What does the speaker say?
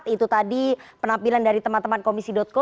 itu tadi penampilan dari teman teman komisi co